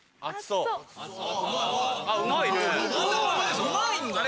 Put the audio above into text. うまいんだな。